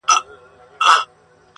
نن زندان پر ماتېدو دی،